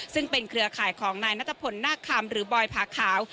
ซึ่งเป็นเครือข่ายของนายนัทพลนาคคำหรือบอยผาขาว